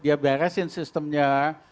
dia beresin sistemnya